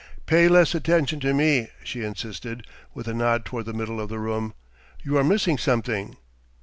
"Pay less attention to me," she insisted, with a nod toward the middle of the room. "You are missing something.